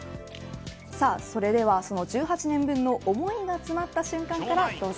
それではその１８年分の思いが詰まった瞬間からどうぞ。